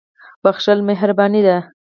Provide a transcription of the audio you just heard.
• بخښل مهرباني ده.